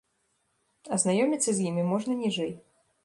Азнаёміцца з імі можна ніжэй.